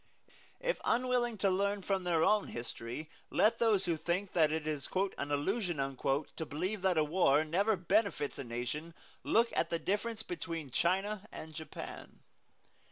If unwilling to learn from their own history, let those who think that it is an "illusion" to believe that a war ever benefits a nation look at the difference between China and Japan.